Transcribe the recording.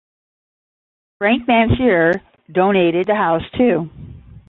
Frank Mansur donated the house to.